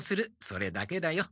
それだけだよ。